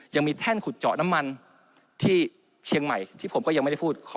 แท่นขุดเจาะน้ำมันที่เชียงใหม่ที่ผมก็ยังไม่ได้พูด